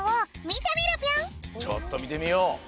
ちょっとみてみよう！